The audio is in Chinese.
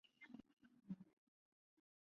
目前是上海最大的外资营销机构。